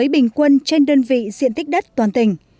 bình quân trên đơn vị diện tích đất toàn tỉnh